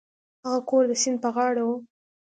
هغه کور د سیند په غاړه و.